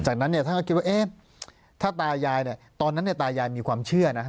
จากนั้นเนี่ยท่านก็คิดว่าเอ๊ะถ้าตายายเนี่ยตอนนั้นเนี่ยตายายมีความเชื่อนะครับ